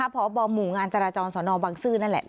พบหมู่งานจราจรสนบังซื้อนั่นแหละ